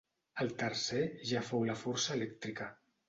El tercer ja fou la força elèctrica.